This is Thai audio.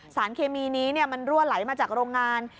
สารเคมีนี้มันรั่วไหลมาจากโรงงาน